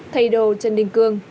thầy đồ trần đình cương